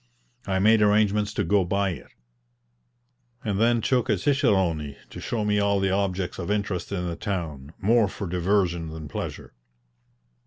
I made arrangements to go by it, and then took a cicerone to show me all the objects of interest in the town, more for diversion than pleasure.